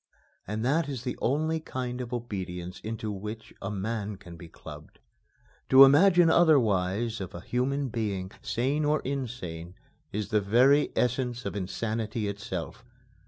And that is the only kind of obedience into which a man can be clubbed. To imagine otherwise of a human being, sane or insane, is the very essence of insanity itself.